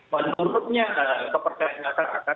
menurutnya kepercayaan masyarakat